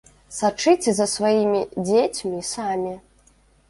Сачыце за сваімі дзецьмі самі!